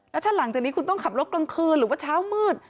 แล้วถ้าหลังจากนี้คุณต้องขับรถกลางคืนหรือว่าเช้ามืด